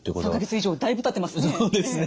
３か月以上だいぶたってますね。